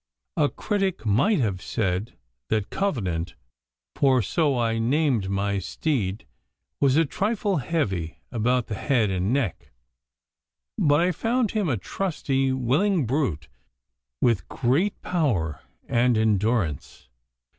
A critic might have said that Covenant, for so I named my steed, was a trifle heavy about the head and neck, but I found him a trusty, willing brute, with great power and endurance.